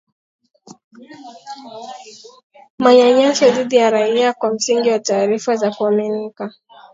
manyanyaso dhidi ya raia kwa msingi wa taarifa za kuaminika